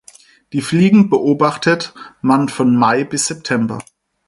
Die Fliegen beobachtet man von Mai bis September.